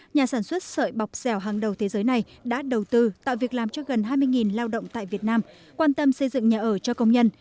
nhà sản xuất sợi bọc dẻo hàng đầu thế giới này đã đầu tư tạo việc làm cho gần hai mươi lao động tại việt nam quan tâm xây dựng nhà ở cho công nhân